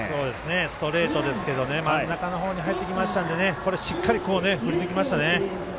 ストレートですけどね真ん中の方に入ってきましたのでしっかり振り抜きましたね。